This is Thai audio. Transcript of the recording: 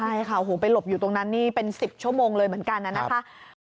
ใช่ค่ะไปหลบอยู่ตรงนั้นนี่เป็น๑๐ชั่วโมงเลยเหมือนกันนะคะ